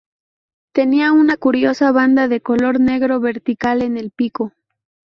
Tenía una curiosa banda de color negro vertical en el pico.